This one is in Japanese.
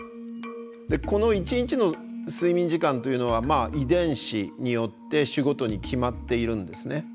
この一日の睡眠時間というのは遺伝子によって種ごとに決まっているんですね。